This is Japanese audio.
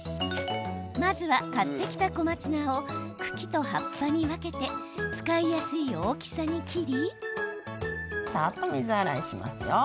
まずは、買ってきた小松菜を茎と葉っぱに分けて使いやすい大きさに切り。